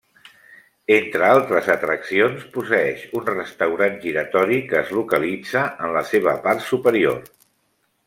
Entre altres atraccions posseeix un restaurant giratori que es localitza en la seva part superior.